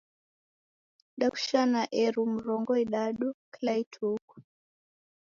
Dakushana elfu mrongo idadu kila ituku.